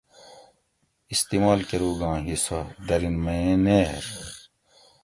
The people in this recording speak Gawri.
استعمال کروگاں حصہ:- درین میٔیں نیر